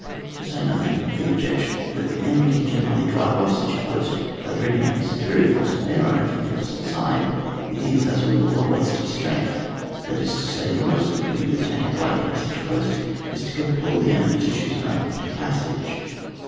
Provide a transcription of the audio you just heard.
To say nothing of the objection that the enemy can generally drive off such a post by bringing a superior force to bear on it from the opposite side, it is, Eis a rule, a waste of strength, that is to say, the most that can be obtained by any such post, is to compel the enemy to choose another point of passage.